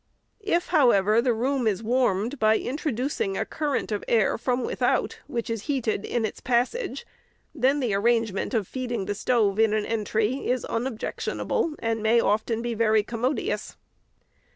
If, however, the room is warmed by introducing a current of air from without, which is heated in its passage, then the arrangement of feeding the stove in an entry is unobjectionable, and may, often, be very commodious.